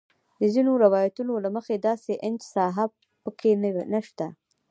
د ځینو روایتونو له مخې داسې انچ ساحه په کې نه شته.